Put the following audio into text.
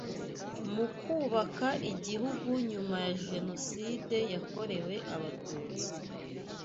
mu kubaka igihugu nyuma ya Jenoside yakorewe Abatutsi